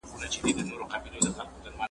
ته ولي لیکل کوې،